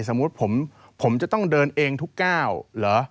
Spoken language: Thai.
สมมุติผมจะต้องเดินเองทุกก้าวเหรอ